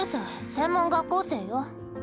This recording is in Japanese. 専門学校生よ。